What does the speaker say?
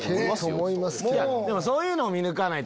そういうのを見抜かないと。